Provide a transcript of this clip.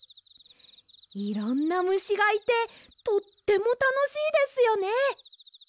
いろんなむしがいてとってもたのしいですよね。